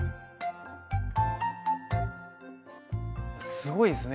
すごいですね